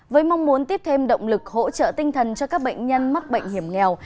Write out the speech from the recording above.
với mong muốn tiếp thêm động lực hỗ trợ tinh thần cho các bệnh nhân mắc bệnh hiểm nghèo